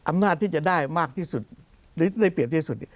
อำนาจที่จะได้มากที่สุดหรือได้เปรียบที่สุด